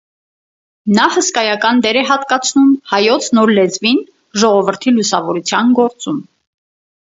Նա հսկայական դեր է հատկացնում հայոց նոր լեզվին ժողովրդի լուսավորության գործում։